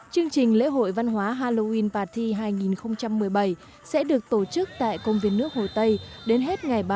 chương trình lễ hội văn hóa halloween party hai nghìn một mươi bảy sẽ được tổ chức tại công viên nước hồi tây đến hết ngày ba mươi một tháng một mươi năm hai nghìn một mươi bảy